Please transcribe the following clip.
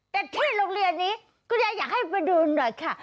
แต่ที่โรงเรียนนี้คุณยายอยากให้ไปดูหน่อยค่ะ